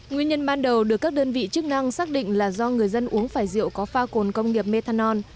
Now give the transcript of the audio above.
nguyên nhân ban đầu được các đơn vị chức năng xác định là do người dân uống phải rượu có pha cồn công nghiệp methanol